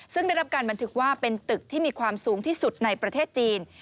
ซึ่งได้รับการบันทึกว่าเป็นตึกที่มีความสูงที่สุดในประเทศจีน